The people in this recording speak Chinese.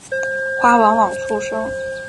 花往往簇生。